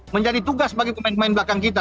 menjadi tugas bagi pemain pemain belakang kita